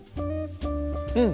うん！